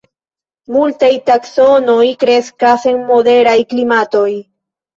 Multaj taksonoj kreskas en moderaj klimatoj.